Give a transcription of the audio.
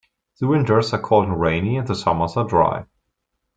The winters are cold and rainy, and the summers are dry.